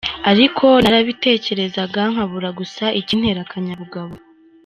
Ariko narabitekerezaga, nkabura gusa ikintera akanyabugabo.